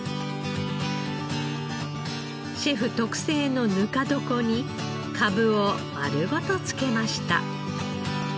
シェフ特製のぬか床にかぶを丸ごと漬けました。